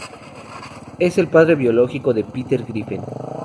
Es el padre biológico de Peter Griffin.